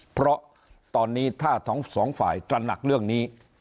เพราะตอนนี้ถ้าทั้งสองฝ่ายตระหนักเรื่องนี้